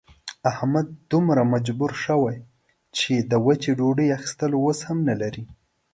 احمد دومره مجبور شوی چې د وچې ډوډۍ اخستلو وس هم نه لري.